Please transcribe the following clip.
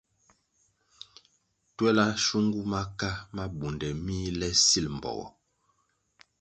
Twela shungu maka mabunde mih le sil mbpogo.